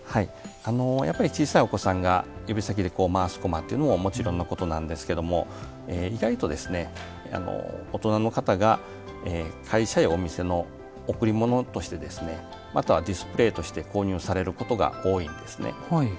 小さいお子さんが指先で回すこまというのはもちろんのことなんですけども意外と、大人の方が会社やお店の贈り物としてまたはディスプレーとして購入されることが多いんですね。